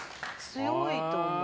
強いと思う。